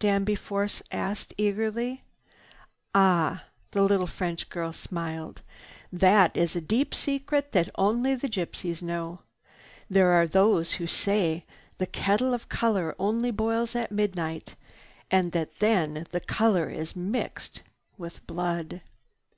Danby Force asked eagerly. "Ah h—" the little French girl smiled. "That is a deep secret that only the gypsies know. There are those who say the kettle of color only boils at midnight and that then the color is mixed with blood.